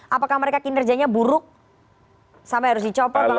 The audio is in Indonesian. apakah mereka kinerjanya buruk sampai harus dicopot bang abed